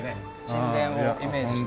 神殿をイメージした。